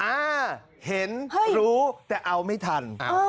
อ่าเห็นรู้แต่เอาไม่ทัน